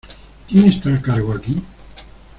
¿ Quién está a cargo aquí?